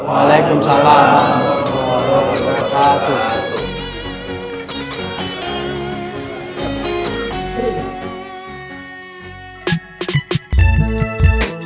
waalaikumsalam warahmatullahi wabarakatuh